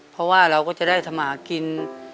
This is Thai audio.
เพราะว่าเราก็จะได้ทำมากิน